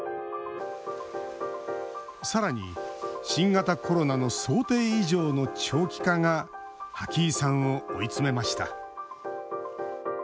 さらに、新型コロナの想定以上の長期化が波木井さんを追い詰めました。